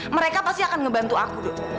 mereka pasti akan ngebantu aku